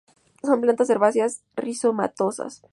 Son plantas herbáceas rizomatosas.